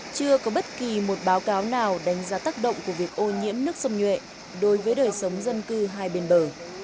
chưa có bất kỳ một báo cáo nào đánh giá tác động của việc ô nhiễm nước sông nhuệ đối với đời sống dân cư hai bên bờ